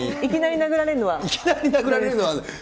いきなり殴られるのは？